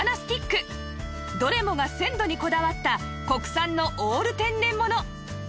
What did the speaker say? どれもが鮮度にこだわった国産のオール天然もの